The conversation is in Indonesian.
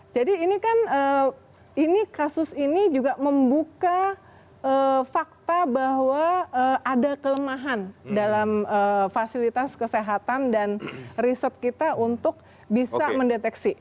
jadi ini kan kasus ini juga membuka fakta bahwa ada kelemahan dalam fasilitas kesehatan dan riset kita untuk bisa mendeteksi